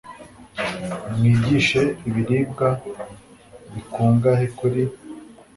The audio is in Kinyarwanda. mwigishe ibiribwa bikungahe kuri